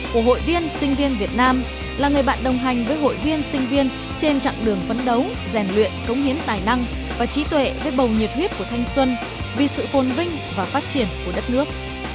hội viên sinh viên việt nam là người bạn đồng hành với hội viên sinh viên trên chặng đường phấn đấu rèn luyện cống hiến tài năng và trí tuệ với bầu nhiệt huyết của thanh xuân vì sự phồn vinh và phát triển của đất nước